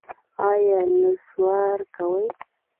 ایا نسوار کوئ؟